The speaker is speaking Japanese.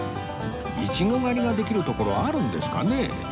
イチゴ狩りができる所あるんですかね？